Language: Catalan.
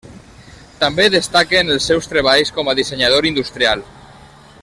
També destaquen els seus treballs com a dissenyador industrial.